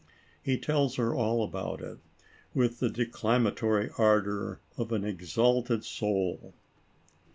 He tells her all about it, with the declamatory ardor of an ex alted soul.